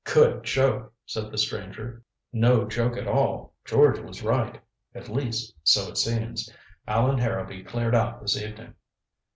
"Good joke," said the stranger. "No joke at all. George was right at least, so it seems. Allan Harrowby cleared out this evening."